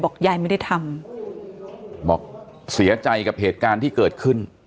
ยายไม่ได้ทำบอกเสียใจกับเหตุการณ์ที่เกิดขึ้น